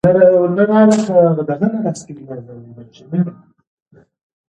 عامه منابع باید عادلانه وکارول شي.